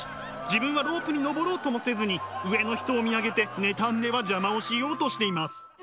自分はロープに登ろうともせずに上の人を見上げて妬んでは邪魔をしようとしています。